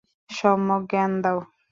সম্যক জ্ঞান দাও।